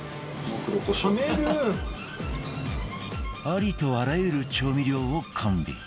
ありとあらゆる調味料を完備